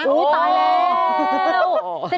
อู้ยตายแล้ว